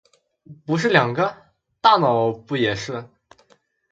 不是两个？大脑不也是？